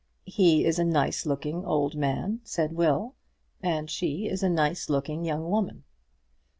"He is a nice looking old man," said Will, "and she is a nice looking young woman."